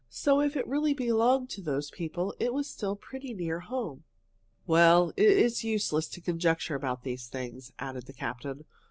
So if it really belonged to those people, it was still pretty near home." "Well, it is useless to conjecture about these things," added the captain.